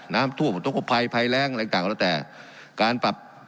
ทั่วผลตกภัยภัยแรงอะไรต่างกว่าตลอดแต่